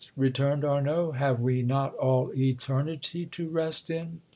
returned Arnauld, "have we not all Eternity to rest in?"